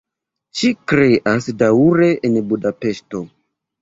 Ŝi kreas daŭre en Budapeŝto.